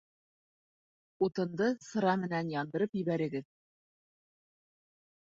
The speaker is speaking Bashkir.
Утынды сыра менән яндырып ебәрегеҙ